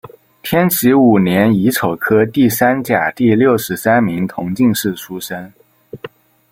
天启五年乙丑科第三甲第六十三名同进士出身。